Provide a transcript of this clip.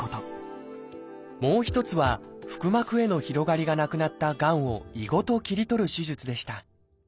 もう一つは腹膜への広がりがなくなったがんを胃ごと切り取る手術でした。